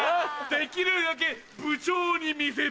できるだけ部長に見せる。